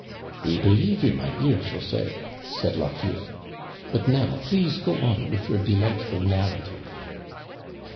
"We believe you, my dear José," said Lochiel. " But now please go on with your delightful narrative."